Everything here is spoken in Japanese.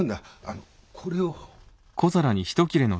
あのこれを。